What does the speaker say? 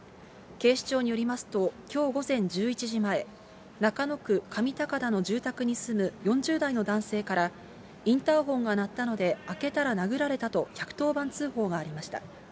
警視庁によりますと、きょう午前１１時前、中野区かみたかだの住宅に住む４０代の男性から、インターホンが鳴ったので開けたら殴られたと、１１０番通報がありました。